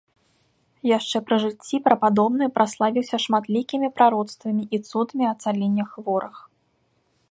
Яшчэ пры жыцці прападобны праславіўся шматлікімі прароцтвамі і цудамі ацалення хворых.